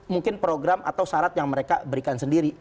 mungkin program atau syarat yang mereka berikan sendiri